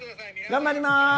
頑張ります。